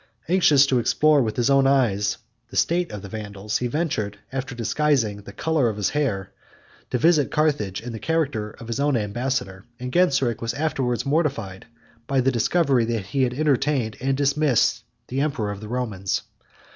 Anxious to explore, with his own eyes, the state of the Vandals, he ventured, after disguising the color of his hair, to visit Carthage, in the character of his own ambassador: and Genseric was afterwards mortified by the discovery, that he had entertained and dismissed the emperor of the Romans.